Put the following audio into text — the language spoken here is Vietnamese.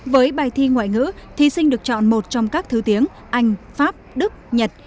với bài thi ngoại ngữ thí sinh được chọn một trong các thứ tiếng anh pháp đức nhật